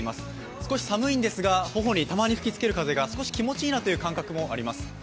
少し寒いんですが、頬に吹きつける風が少し気持ちいいなと感じます。